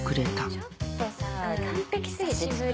ちょっとさ完璧過ぎて。